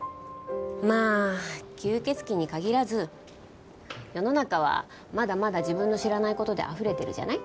まあ吸血鬼に限らず世の中はまだまだ自分の知らない事であふれてるじゃない？